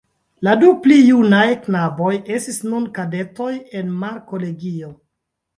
La du pli junaj knaboj estis nun kadetoj en markolegio.